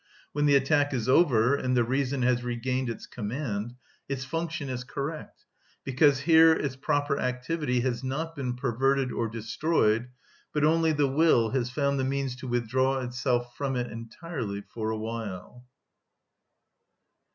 When the attack is over, and the reason has regained its command, its function is correct, because here its proper activity has not been perverted or destroyed, but only the will has found the means to withdraw itself from it entirely for a while.